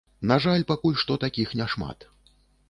На жаль, пакуль што такіх няшмат.